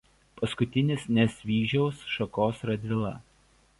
Paskutinis Nesvyžiaus šakos Radvila.